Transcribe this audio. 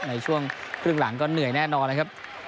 ในช่วงครึ่งหลังก็เหนื่อยแน่นอนนะครับ